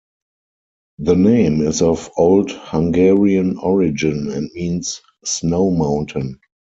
The name is of Old Hungarian origin and means 'snow mountain'.